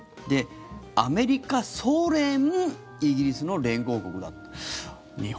アメリカ、ソ連、イギリスの連合国だった。